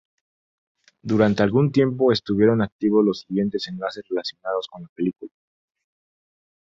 Durante algún tiempo estuvieron activos los siguientes enlaces relacionados con la película.